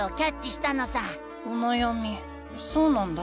おなやみそうなんだ。